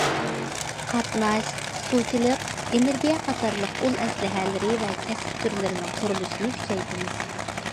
قاتناش، سۇچىلىق، ئېنېرگىيە قاتارلىق ئۇل ئەسلىھەلىرى ۋە كەسىپ تۈرلىرىنىڭ قۇرۇلۇشىنى كۈچەيتىمىز.